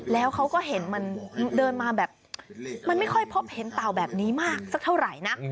แล้วเขาก็เห็นมันเดินมาแบบมันไม่ค่อยพบเห็นเต่าแบบนี้มากสักเท่าไหร่นะ